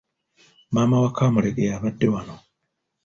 Maama wa Kamulegeya abadde wano.